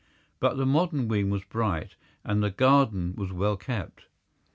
But the modern wing was bright and the garden was well kept.